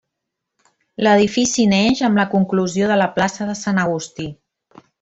L'Edifici neix amb la conclusió de la plaça de Sant Agustí.